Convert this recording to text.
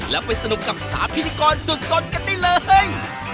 แล้วไปสนุกกับ๓พิธีกรสุดกันได้เลย